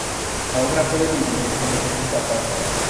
La obra puede dividirse en tres partes.